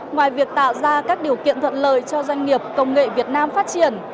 ngoài việc tạo ra các điều kiện thuận lợi cho doanh nghiệp công nghệ việt nam phát triển